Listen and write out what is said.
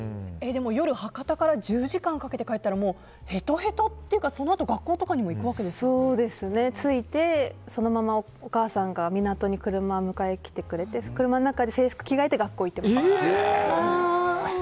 でも、夜、博多から１０時間かけて帰ったらもうヘトヘトというかそのあと学校にも着いてそのまま、お母さんが港に車で迎えに来てくれて車の中で制服に着替えて学校に行ってました。